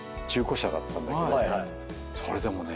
それでもね